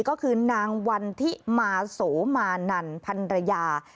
ก็คือนางวันทิมาโสมานันพันรยา